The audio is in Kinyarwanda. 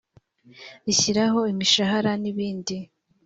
rishyiraho imishahara n ibindi